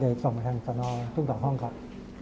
ก็เลยส่งมาทางสนถึง๒ห้องครับ